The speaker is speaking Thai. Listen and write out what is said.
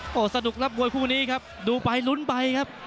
โอ้โหสนุกครับมวยคู่นี้ครับดูไปลุ้นไปครับ